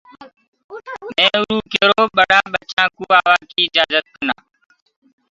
مي اُرو دي ڪيرو ڪي ٻڙآ ٻچآنٚ ڪوُ وهآنٚ آوآڪيٚ اِجآجت ڪونآ پڇي